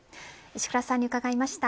石倉さんに伺いました。